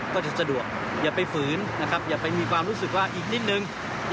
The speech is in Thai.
ก็จะสะดวกอย่าไปฝืนนะครับอย่าไปมีความรู้สึกว่าอีกนิดนึง